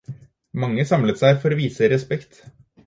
Mange samlet seg for å vise respekt.